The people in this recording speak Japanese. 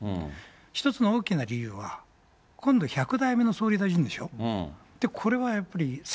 一つの大きな理由は、今度１００代目の総理大臣でしょ。